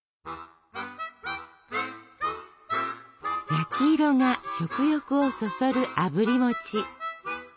焼き色が食欲をそそるあぶり餅。